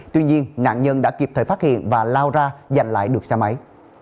tuy nhiên nạn nhân đã kịp thời phát hiện và lao ra giành lại được xe máy